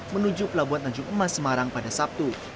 menuju pelabuhan tanjung emas semarang pada sabtu